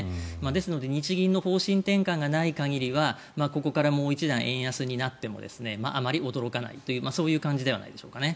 ですので日銀の方針転換がない限りはここからもう一段、円安になってもあまり驚かないというそういう感じではないでしょうかね。